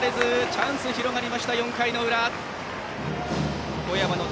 チャンスが広がった、４回の裏。